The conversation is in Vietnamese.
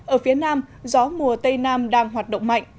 ở phía nam gió mùa tây nam đang hoạt động mạnh